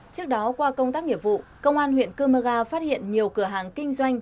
trước đó qua công tác nghiệp vụ công an huyện cơ mơ ga phát hiện nhiều cửa hàng kinh doanh